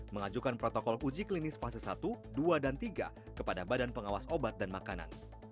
mengajukan protokol uji klinis fase satu dua dan tiga kepada badan pengawas obat dan makanan